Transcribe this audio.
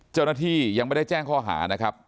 เจ้าหน้าที่ยังไม่ได้แจ้งข้อหานะครับ